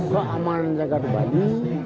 keamanan jakarta bali